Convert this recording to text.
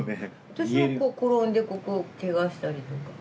私は転んでここをけがしたりとか。